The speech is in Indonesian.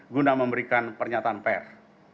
guna memberikan pernyataan per